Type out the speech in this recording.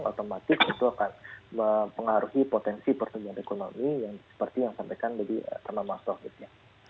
otomatis itu akan mempengaruhi potensi pertumbuhan ekonomi yang seperti yang sampaikan tadi karena mas taufiknya